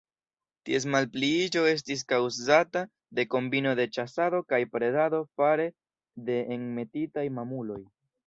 Ties malpliiĝo estis kaŭzata de kombino de ĉasado kaj predado fare de enmetitaj mamuloj.